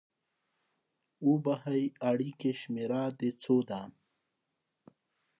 اوبښئ! اړیکې شمیره د څو ده؟